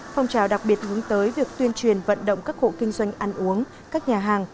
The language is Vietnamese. phong trào đặc biệt hướng tới việc tuyên truyền vận động các hộ kinh doanh ăn uống các nhà hàng